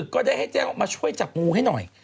ก็ได้ให้แจ้งว่ามาช่วยจับงูให้หน่อย